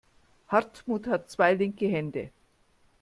Hartmut hat zwei linke Hände.